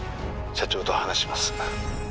「社長と話します」